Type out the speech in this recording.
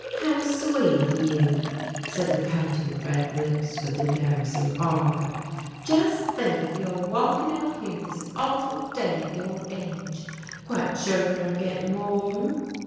"How sweet of you!" said the pouting red lips with embarrassing ardor. "Just think of your walking out here this awful day at your age. Quite sure you are getting warm?"